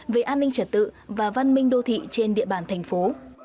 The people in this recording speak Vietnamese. về an ninh trật tự và văn minh đô thị trên địa bàn thành phố